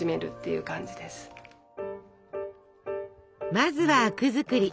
まずは灰汁作り。